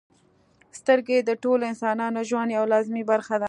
• سترګې د ټولو انسانانو ژوند یوه لازمي برخه ده.